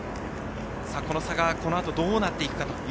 この差が、このあとどうなっていくか。